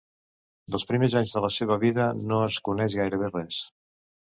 Dels primers anys de la seva vida, no es coneix gairebé res.